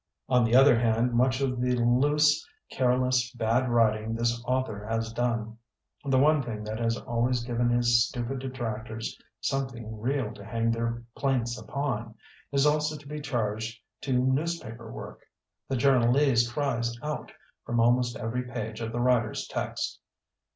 On the other hand much of the loose, careless, bad writing this author has done — the one thing that has always given his stupid detractors something real to hang their plaints upon — is also to be charged to newspi^r woric The journalese cries out from almost every page of the writer's text.